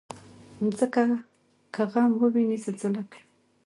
مځکه که غم وویني، زلزله کوي.